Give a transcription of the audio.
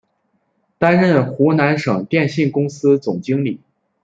担任湖南省电信公司总经理。